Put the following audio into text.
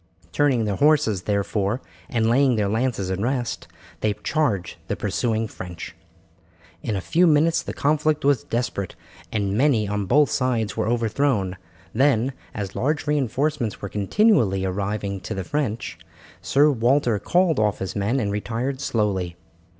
Turning their horses, therefore, and laying their lances in rest, they charged the pursuing French. For a few minutes the conflict was desperate and many on both sides were overthrown; then, as large reinforcements were continually arriving to the French, Sir Walter called off his men and retired slowly.